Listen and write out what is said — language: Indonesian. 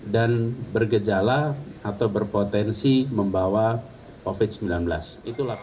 dan bergejala atau berpotensi membawa covid sembilan belas